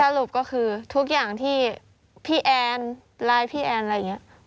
สรุปก็คือทุกอย่างที่พี่แอนไลน์พี่แอนอะไรอย่างนี้